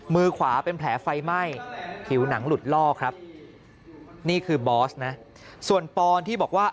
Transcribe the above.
มือขวาเป็นแผลไฟไหม้ผิวหนังหลุดล่อครับนี่คือบอสนะส่วนปอนที่บอกว่า